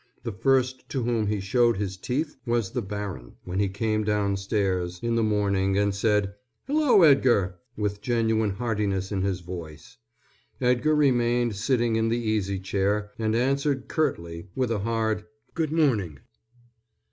The first to whom he showed his teeth was the baron, when he came downstairs in the morning and said "Hello, Edgar!" with genuine heartiness in his voice. Edgar remained sitting in the easy chair and answered curtly with a hard "G'd morning."